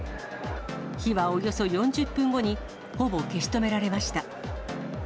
火はおよそ４０分後に、ほぼ消し止められました。